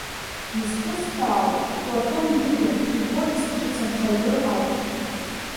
Изхысҳәаауа Платон Бебиа иповест ҿыц Анхаҩы ауп.